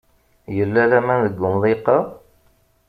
Yella laman deg umḍiq-a?